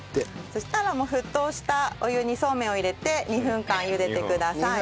そしたらもう沸騰したお湯にそうめんを入れて２分間茹でてください。